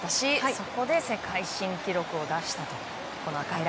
そこで世界新記録を出したと。